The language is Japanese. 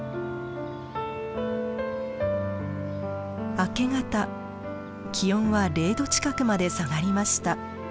明け方気温は０度近くまで下がりました。